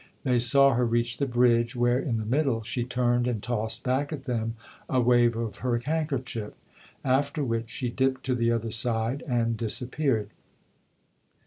They saw her reach the bridge, where, in the middle, she turned and tossed back at them a wave of her hand kerchief ; after which she dipped to the other side and disappeared.